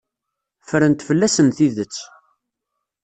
Ffrent fell-asen tidet.